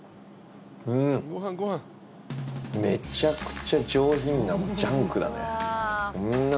めちゃくちゃ上品なジャンクだね。